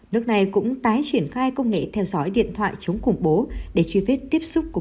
nước này cũng tái triển khai công nghệ theo dõi điện thoại chống khủng bố để truy vết tiếp xúc của